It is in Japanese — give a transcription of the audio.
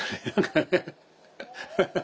ハハハハハ。